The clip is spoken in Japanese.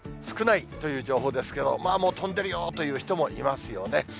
少ないという情報ですけれども、もう飛んでるよという人もいますよね。